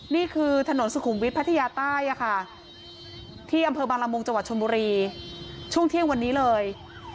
นี่คือถนนสุขุมวิทยพัทยาใต้ที่อำเภอบางละมุงจังหวัดชนบุรีช่วงเที่ยงวันนี้เลย